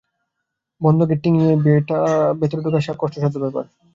বন্ধ গেট ডিঙিয়ে ভেতরে ঢোকা কষ্টসাধ্য ব্যাপার।